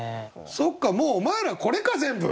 そっかもうお前らこれか全部。